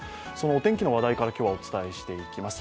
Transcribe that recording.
お天気の話題から今日はお伝えしていきます。